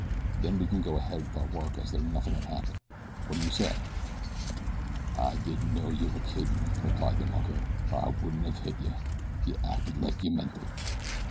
Then we can go ahead with our work as though nothing had happened. What do you say?" "I didn't know yeh was kiddin," replied the mucker, "or I wouldn't have hit yeh. Yeh acted like yeh meant it."